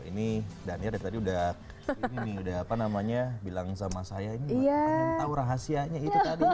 ini dania dari tadi udah bilang sama saya ini mau tau rahasianya itu tadi